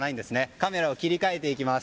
カメラを切り替えていきます。